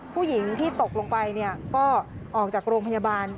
ผู้หญิงที่ตกลงไปก็ออกจากโรงพยาบาล